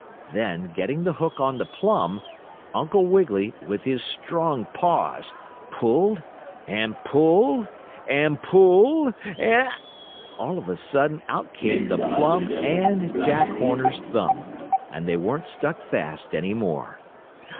Then, getting the hook on the plum, Uncle Wiggily, with his strong paws, pulled and pulled and pulled, and All of a sudden out came the plum and Jack Homer's thumb, and they weren't stuck fast any more.